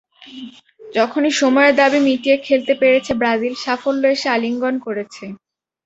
যখনই সময়ের দাবি মিটিয়ে খেলতে পেরেছে ব্রাজিল, সাফল্য এসে আলিঙ্গন করেছে।